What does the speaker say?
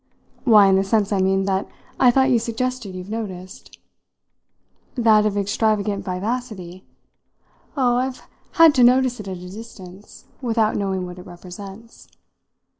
"Why, in the sense, I mean, that I thought you suggested you've noticed." "That of extravagant vivacity? Oh, I've had to notice it at a distance, without knowing what it represents."